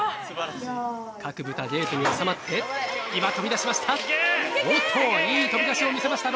各豚、ゲートに収まって、今飛びたしました。